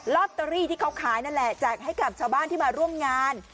ลอตเตอรี่ที่เขาขายนั่นแหละแจกให้กับชาวบ้านที่มาร่วมงาน